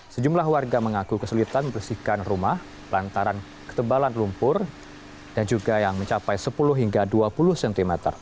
sejumlah warga mengaku kesulitan membersihkan rumah lantaran ketebalan lumpur dan juga yang mencapai sepuluh hingga dua puluh cm